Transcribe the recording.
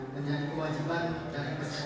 menjadi kewajiban dari peserta